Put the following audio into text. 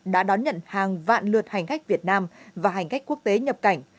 đã đón nhận hàng vạn lượt hành khách việt nam và hành khách quốc tế nhập cảnh